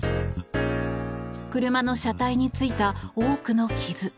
車の車体についた多くの傷。